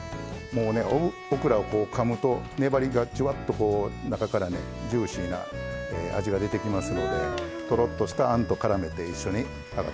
もうねオクラをかむと粘りがじゅわっとこう中からねジューシーな味が出てきますのでとろっとしたあんとからめて一緒に食べてみてください。